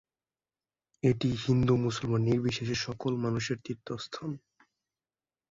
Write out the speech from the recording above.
এটি হিন্দু-মুসলমান নির্বিশেষে সকল মানুষের তীর্থস্থান।